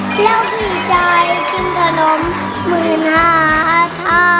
แล้วพี่ใจกินขนมหมื่นห้าค่า